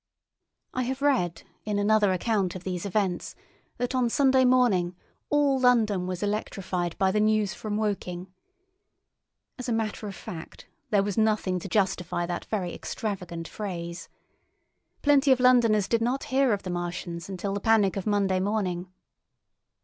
I have read, in another account of these events, that on Sunday morning "all London was electrified by the news from Woking." As a matter of fact, there was nothing to justify that very extravagant phrase. Plenty of Londoners did not hear of the Martians until the panic of Monday morning.